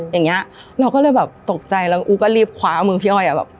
อย่างเงี้ยเราก็เลยแบบตกใจแล้วอู๊ก็รีบคว้ามือพี่อ้อยอ่ะแบบ